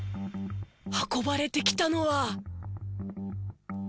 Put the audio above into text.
運ばれてきたのは。